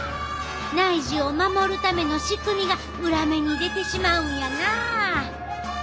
内耳を守るための仕組みが裏目に出てしまうんやなあ。